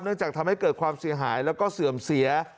จากทำให้เกิดความเสียหายแล้วก็เสื่อมเสีย